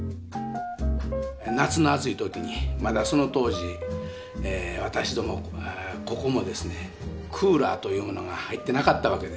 夏の暑い時にまだその当時私どもここもですねクーラーというものが入ってなかったわけです。